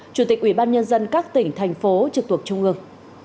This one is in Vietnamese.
chủ tịch ủy ban nhân dân các tỉnh thành phố trực thuộc trung ương